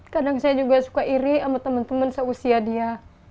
kadang saya juga suka iri sama teman teman seusia dia